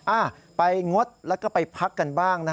อ้าวไปงวดแล้วก็ไปพักกันบ้าง